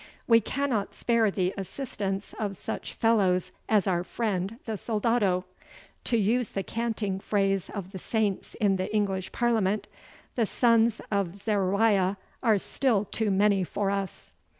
We cannot spare the assistance of such fellows as our friend the soldado. To use the canting phrase of the saints in the English Parliament, the sons of Zeruiah are still too many for us."